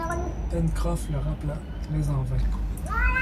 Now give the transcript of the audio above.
Pencroff le rappela, mais en vain.